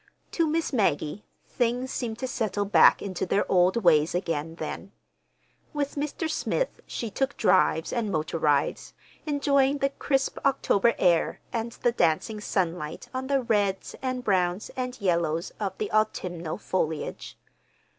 To Miss Maggie things seemed to settle back into their old ways again then. With Mr. Smith she took drives and motor rides, enjoying the crisp October air and the dancing sunlight on the reds and browns and yellows of the autumnal foliage.